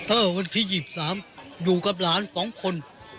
วันที่๒๓อยู่กับหลาน๒คน